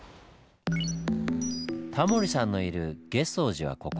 タモリさんのいる月窓寺はここ。